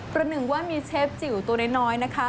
ประหนึ่งว่ามีเชฟจิ๋วตัวน้อยนะคะ